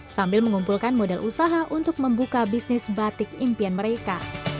sambil mengumpulkan modal usaha untuk membuka bisnis batik impian mereka